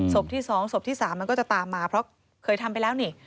ศพที่๒ศพที่๓มันก็จะตามมาเพราะเคยทำไปแล้วนี่